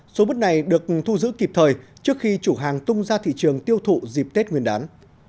số bút này được thu giữ kịp thời trước khi chủ hàng tung ra thị trường tiêu thụ dịp tết nguyên đán